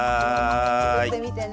つくってみてね！